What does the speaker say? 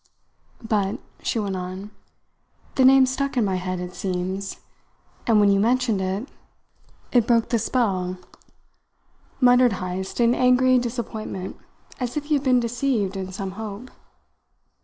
"But," she went on, "the name stuck in my head, it seems; and when you mentioned it " "It broke the spell," muttered Heyst in angry disappointment as if he had been deceived in some hope.